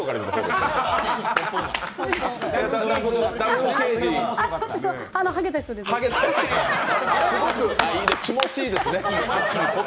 すごく気持ちいいですね。